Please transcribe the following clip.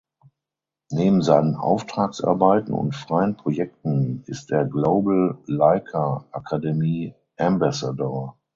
Neben seinen Auftragsarbeiten und freien Projekten ist er Global Leica Akademie Ambassador.